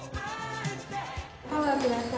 パワーください。